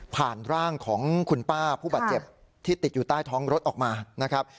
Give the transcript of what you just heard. ร่างของคุณป้าผู้บาดเจ็บที่ติดอยู่ใต้ท้องรถออกมานะครับ